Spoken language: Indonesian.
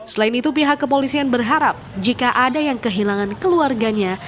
selain itu pihak kepolisian berharap jika ada yang kehilangan keluarganya